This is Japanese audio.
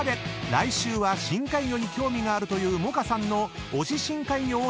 来週は深海魚に興味があるという萌歌さんの推し深海魚を探しちゃいます］